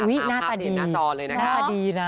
อุ้ยหน้าตาดีหน้าตอนเลยนะคะหน้าตาดีนะ